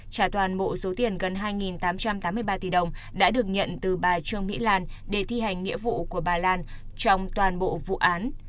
trả toàn bộ số tiền gần hai tám trăm tám mươi ba tỷ đồng đã được nhận từ bà trương mỹ lan để thi hành nghĩa vụ của bà lan trong toàn bộ vụ án